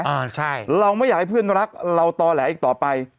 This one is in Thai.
อ่าใช่เราไม่อยากให้เพื่อนรักเราต่อแหลอีกต่อไป